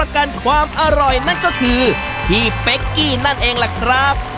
กันความอร่อยนั่นก็คือพี่เป๊กกี้นั่นเองล่ะครับ